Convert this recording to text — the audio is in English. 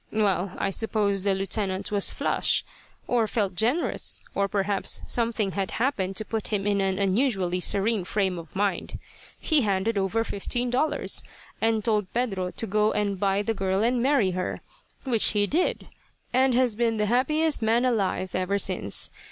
"Well, I suppose the Lieutenant was flush, or felt generous, or perhaps something had happened to put him in an unusually serene frame of mind. He handed over fifteen dollars, and told Pedro to go and buy the girl and marry her; which he did, and has been the happiest man alive ever since.